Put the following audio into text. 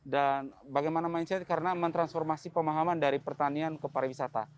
bagaimana mindset karena mentransformasi pemahaman dari pertanian ke pariwisata